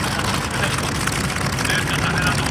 زه اړ نه یم چي مي لوری ستا پر کور کم